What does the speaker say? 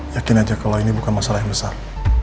yakin aja kalau ini bukan masalah yang besar